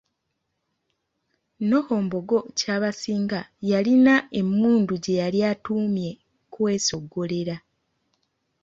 Noho Mbogo Kyabasinga yalina emmundu gye yali atuumye kwesoggolera.